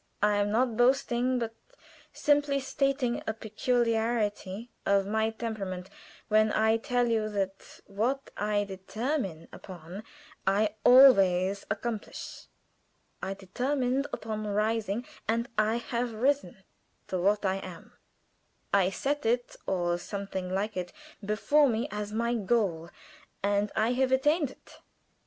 I am not boasting, but simply stating a peculiarity of my temperament when I tell you that what I determine upon I always accomplish. I determined upon rising, and I have risen to what I am. I set it, or something like it, before me as my goal, and I have attained it."